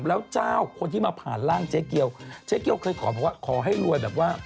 แล้วเจ๊เกียวก็บอกขอให้รวย